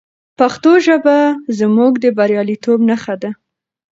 پښتو ژبه زموږ د بریالیتوب نښه ده.